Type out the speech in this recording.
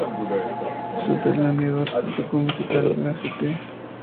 Sutherland Edwards, crítico musical de la "St.